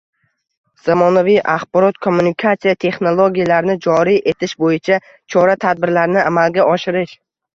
zamonaviy axborot-kommunikatsiya texnologiyalarini joriy etish bo‘yicha chora-tadbirlarni amalga oshirish.